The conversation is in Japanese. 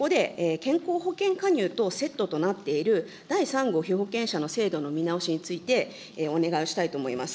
そこで健康保険加入とセットとなっている、第３号被保険者の制度の見直しについて、お願いをしたいと思います。